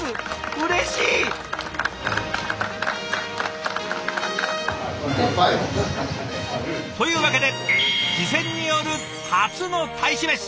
うれしい！というわけで自薦による初の「大使メシ」。